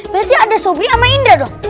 berarti ada sobri sama indra dong